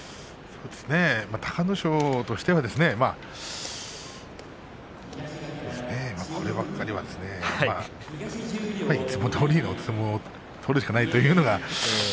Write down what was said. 隆の勝としてはそうですねこればっかりはいつもどおりの相撲を取るしかないというのが。